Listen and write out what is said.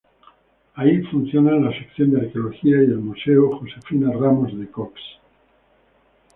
Ahí funcionan la sección de arqueología y el museo "Josefina Ramos de Cox".